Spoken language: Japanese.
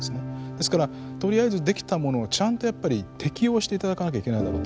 ですからとりあえずできたものをちゃんとやっぱり適用して頂かなきゃいけないだろうと思ってます。